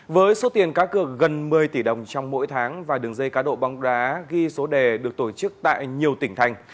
với số tiền cá cược gần một mươi tỷ đồng trong mỗi tháng và đường dây cá độ bóng đá ghi số đề được tổ chức tại nhiều tỉnh thành